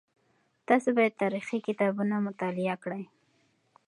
تاسو باید تاریخي کتابونه مطالعه کړئ.